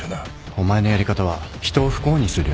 お前のやり方は人を不幸にするよ。